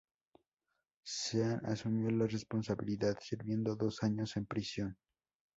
Sean asumió la responsabilidad, sirviendo dos años en prisión.